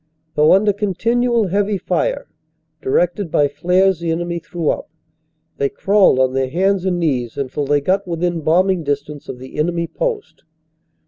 Though under continual heavy fire, directed by flares the enemy threw up, they crawled on their hands and knees until they got within bombing dis tance of the enemy post.